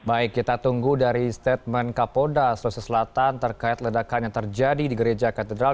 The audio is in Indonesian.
baik kita tunggu dari statement kapolda sulawesi selatan terkait ledakan yang terjadi di gereja katedral